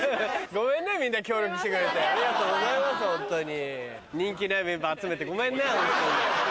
ごめんねみんな協力してくれてありがとうございますホントに。